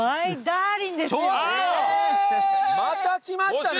また来ましたね！